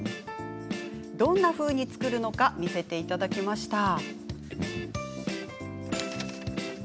どんなふうに作るのか見せてもらいました。